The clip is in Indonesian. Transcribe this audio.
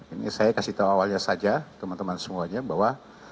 ini saya kasih tahu awalnya saja teman teman semuanya bahwa